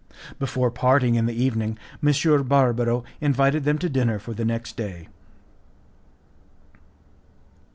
Before parting in the evening, M. Barbaro invited them to dinner for the next day.